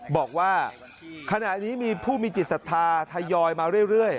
บอกว่าขณะนี้มีผู้มีจิตศรัทธาทยอยมาเรื่อย